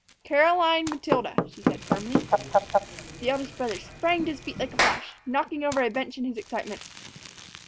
"Caroline Matilda," she said firmly. The eldest brother sprang to his feet like a flash, knocking over a bench in his excitement.